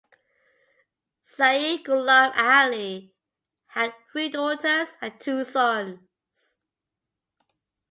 Sayyid Ghulam Ali had three daughters and two sons.